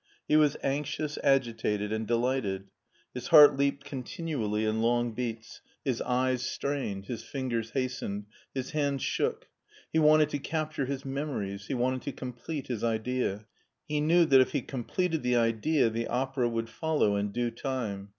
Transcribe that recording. He was anxious, agitated, and delighted ; his heart leaped continually in long beats, his eyes strained, his fingers hastened, his hands shook. He wanted to capture his memories ; he wanted to complete his idea ; he knew that if he com pleted the idea the opera would follow in due time.